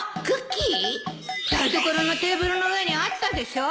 台所のテーブルの上にあったでしょ？